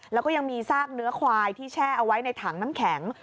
แล้วก็ยังมีซากเนื้อควายที่แช่เอาไว้ในถังน้ำแข็ง